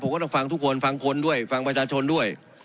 ผมก็ต้องฟังทุกคนฟังคนด้วยฟังประชาชนด้วย